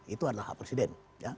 itu adalah hak presiden